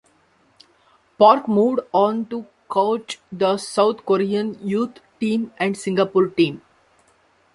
Park moved on to coach the South Korean youth team and Singapore team.